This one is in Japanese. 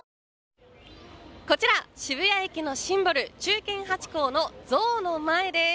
こちら、渋谷駅のシンボル忠犬ハチ公の像の前です。